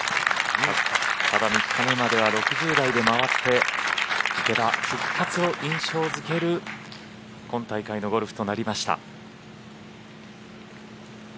ただ、３日目までは６０台で回って、池田復活を印象付ける今大会のゴルフとなりました。